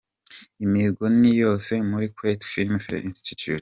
Imihigo ni yose muri Kwetu Film Institute.